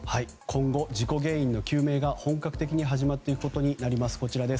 今後、事故原因の究明が本格的に始まることになります。